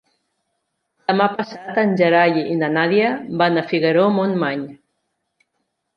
Demà passat en Gerai i na Nàdia van a Figaró-Montmany.